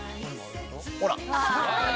ほら。